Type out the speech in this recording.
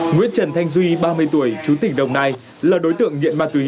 nguyễn trần thanh duy ba mươi tuổi chú tỉnh đồng nai là đối tượng nghiện ma túy